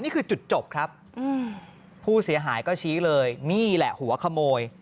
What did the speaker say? นี่คือจุดจบครับผู้เสียหายก็ชี้เลยนี่แหละหัวขโมย